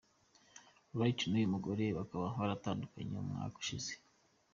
Lighty n’uyu mugore bakaba baratandukanye umwaka ushize.